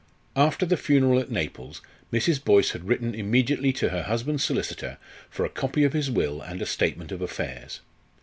After the funeral at Naples Mrs. Boyce had written immediately to her husband's solicitor for a copy of his will and a statement of affairs.